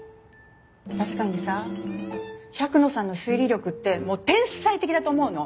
確かにさ百野さんの推理力って天才的だと思うの。